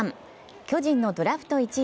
巨人のドラフト１位